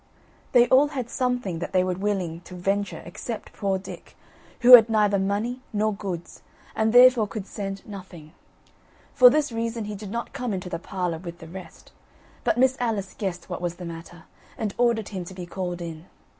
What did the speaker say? They all had something that they were willing to venture except poor Dick, who had neither money nor goods, and therefore could send nothing. For this reason he did not come into the parlour with the rest; but Miss Alice guessed what was the matter, and ordered him to be called in.